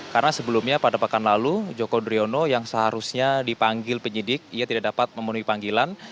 karena sebelumnya pada pekan lalu joko driono yang seharusnya dipanggil penyidik ia tidak dapat memenuhi panggilan